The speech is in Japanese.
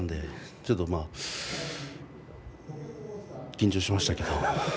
ちょっと緊張しました。